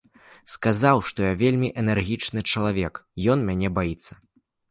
Сказаў, што я вельмі энергічны чалавек, ён мяне баіцца!